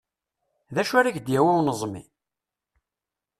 D acu ara k-d-yawi uneẓmi?